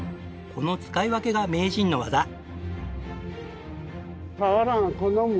この使い分けが名人の技。